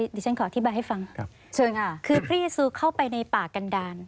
ดิฉันขออธิบายให้ฟังครับช่วยค่ะคือพระเยซูเข้าไปในป่ากันดาร